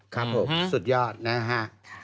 ครับผมสุดยอดนะฮะ